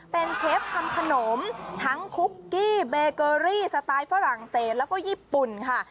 เป็นเชฟทำขนมทั้งคุกกี้เบเกอรี่สไตล์ฝรั่งเศสแล้วก็ญี่ปุ่นค่ะ